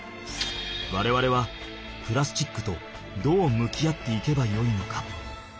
われわれはプラスチックとどう向き合っていけばよいのか。